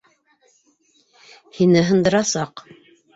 Һине һындырасаҡ.